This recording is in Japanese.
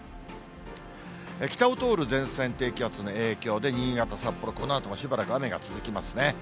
北を通る前線、低気圧の影響で、新潟、札幌、このあともしばらく雨が続きますね。